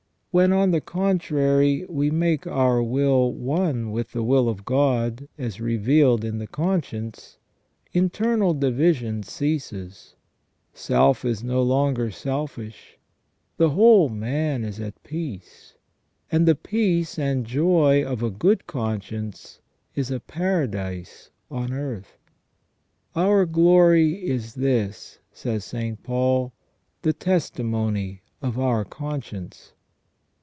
When, on the contrary, we make our will one with the will of God as revealed in the conscience, internal division ceases ; self is no longer selfish; the whole man is at peace, and the peace and joy of a good conscience is a paradise on earth. " Our glory is this," says St. Paul, " the testimony of our conscience."